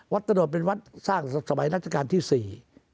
วัดตะโนดเป็นวัดสร้างสมัยนักจักรที่๔